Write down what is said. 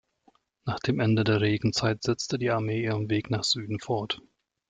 Nach dem Ende der Regenzeit setzte die Armee ihren Weg nach Süden fort.